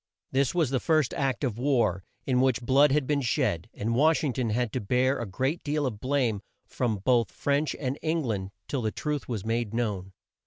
This was the first act of war, in which blood had been shed, and Wash ing ton had to bear a great deal of blame from both France and Eng land till the truth was made known.